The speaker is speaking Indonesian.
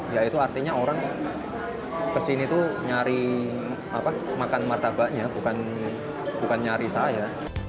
ya itu artinya orang kesini tuh nyari makan martabaknya bukan nyari saya